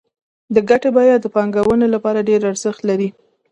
د ګټې بیه د پانګوال لپاره ډېر ارزښت لري